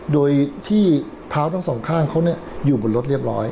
โดยที่เท้าทั้งสองข้างเขาอยู่บนรถเรียบร้อย